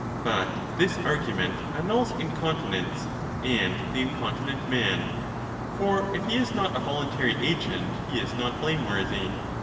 But this argument annuls incontinence and the incontinent man. For, if he is not a voluntary agent, he is not blameworthy.